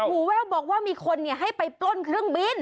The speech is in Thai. แววบอกว่ามีคนให้ไปปล้นเครื่องบิน